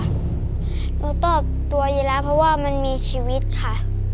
หนูตอบตัวอยู่แล้วเพราะว่ามันมีชีวิตค่ะ